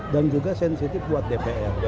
dan juga sensitif buat dpr